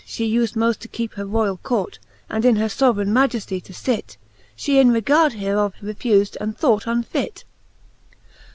She ufed moft to keepe jher royall court, And in her foveraine Majefty to fit, She in regard hereof refufde and thought unfit.